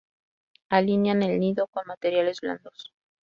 Alinean el nido con materiales blandos.